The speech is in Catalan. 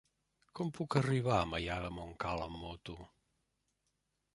Com puc arribar a Maià de Montcal amb moto?